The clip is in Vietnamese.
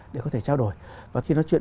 để có thể trao đổi và khi nói chuyện